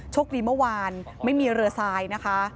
โชคดีเมื่อวานไม่มีเรือสายนะคะ